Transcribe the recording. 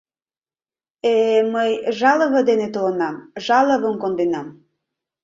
Э... мый жалыве дене толынам... жалывым конденам...